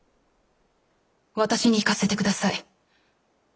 私に行かせてください。